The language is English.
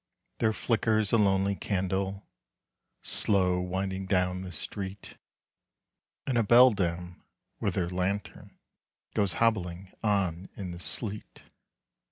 There flickers a lonely candle, Slow winding down the street; And a beldame, with her lantern, Goes hobbling on in the sleet.